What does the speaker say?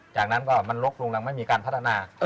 จากนั้นก็มันลดลงยังไม่มีการพัฒนา